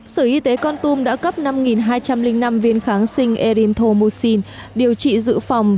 sở y tế con tum đã cấp năm hai trăm linh năm viên kháng sinh erinthomousine điều trị dự phòng